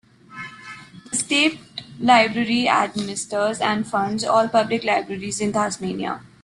The State Library administers and funds all public libraries in Tasmania.